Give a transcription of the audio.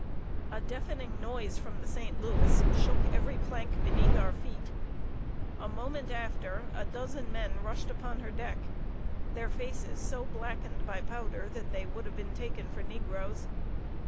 A deafening noise from the St. Louis shook every plank beneath our feet. A moment after, a dozen men rushed upon her deck, their faces so blackened by powder that they would have been taken for negroes.